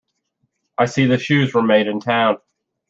I see the shoes were made in town.